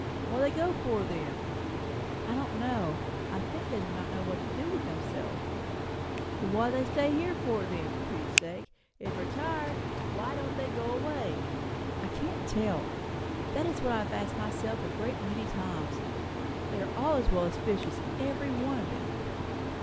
"What do they go for then?" "I don't know. I think they do not know what to do with themselves." "What do they stay here for, then, for pity's sake? If they are tired, why don't they go away?" "I can't tell. That is what I have asked myself a great many times. They are all as well as fishes, every one of them."